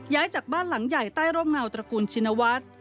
ย้ายจากบ้านหลังใหญ่ใต้ร่มเงาตระกูลชินวัฒน์